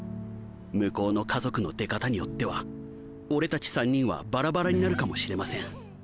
向こうの家族の出方によっては俺たち３人はバラバラになるかもしれません。